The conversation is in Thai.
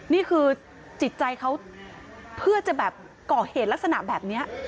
นี่คือจิตใจเขาเพื่อจะแบบก่อเหตุลักษณะแบบนี้